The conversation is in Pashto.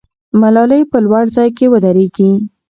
ملالۍ په لوړ ځای کې ودرېږي.